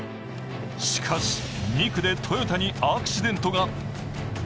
しかし、２区でトヨタにアクシデントが。